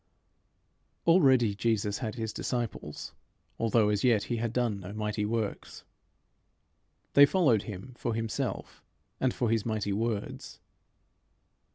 Already Jesus had his disciples, although as yet he had done no mighty works. They followed him for himself and for his mighty words.